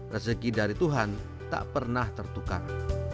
rezeki dari tuhan tak pernah tertukar